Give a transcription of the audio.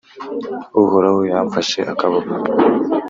Uhoraho yamfashe akaboko,